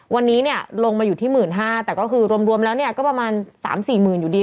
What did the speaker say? วันนี้เนี่ยลงมาอยู่ที่๑๕๐๐แต่ก็คือรวมแล้วเนี่ยก็ประมาณ๓๔หมื่นอยู่ดี